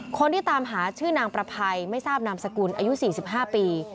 คนที่ตามหาชื่อนางประภัยไม่ทราบนามสกุลอายุ๔๕ปี